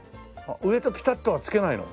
上とピタッとは付けないの？